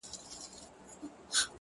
• د غپا او انګولا یې ورک درک سي ,